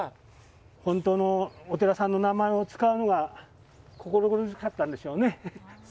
本当のお寺さんの名前を使うのは心苦しかったんでしょうね。